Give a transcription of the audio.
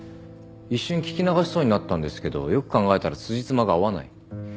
一瞬聞き流しそうになったんですけどよく考えたらつじつまが合わない。